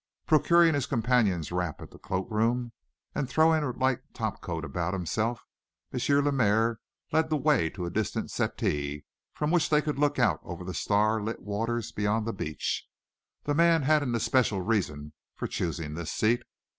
Procuring his companion's wrap at the coatroom, and throwing a light topcoat about himself, M. Lemaire led the way to a distant settee from which they could look out over the star lit waters beyond the beach. The man had an especial reason for choosing this seat.